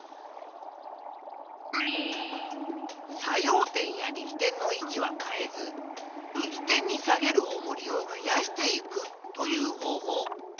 作用点や力点の位置は変えず「力点に下げるおもりを増やしていく」という方法。